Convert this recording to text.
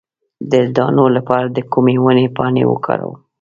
د دانو لپاره د کومې ونې پاڼې وکاروم؟